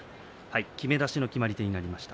きめ出しの決まり手になりました。